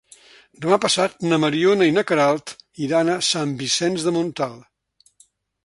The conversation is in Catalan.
Demà passat na Mariona i na Queralt iran a Sant Vicenç de Montalt.